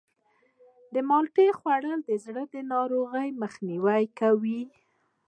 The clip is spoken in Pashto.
د مالټې خوړل د زړه د ناروغیو مخنیوی کوي.